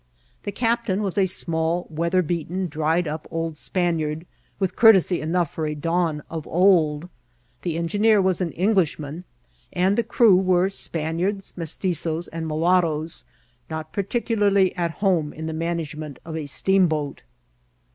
'*' The captain was a small, weather beaten, dried up old Spaniard, with courtesy enough for a Don of old. The engineer was an Englishman, and the crew were Spaniards, Mestitzoes, and mulattoes, not particularly at home in the management of a steamboat.